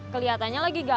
keliatannya lagi gawat